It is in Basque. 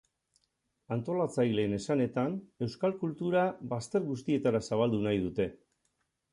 Antolatzaileen esanetan, euskal kultura bazter guztietara zabaldu nahi dute.